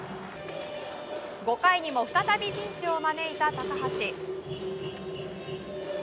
５回にも再びピンチを招いた高橋。